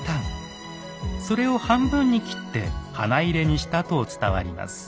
それを半分に切って花入にしたと伝わります。